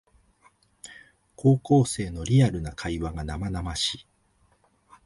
高校生のリアルな会話が生々しい